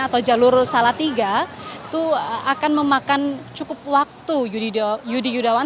atau jalur salah tiga itu akan memakan cukup waktu yudi yudawan